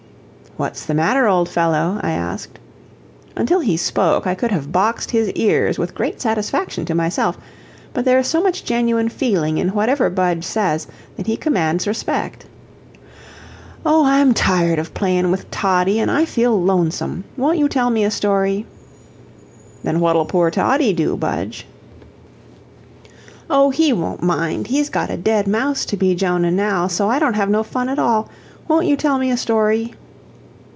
"What's the matter, old fellow?" I asked. Until he spoke I could have boxed his ears with great satisfaction to myself; but there is so much genuine feeling in whatever Budge says that he commands respect. "Oh, I'm tired of playin' with Toddie, an' I feel lonesome. Won't you tell me a story?" "Then what'll poor Toddie do, Budge?" "Oh, he won't mind he's got a dead mouse to be Jonah now, so I don't have no fun at all. Won't you tell me a story?"